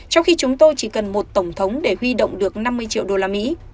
trong khi chúng tôi chỉ cần một tổng thống để huy động được năm mươi triệu đô la mỹ